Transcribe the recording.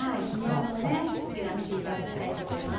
こちら見て頂きたいと思います。